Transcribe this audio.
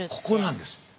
ここなんです。